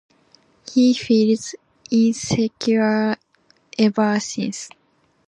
He feels insecure ever since.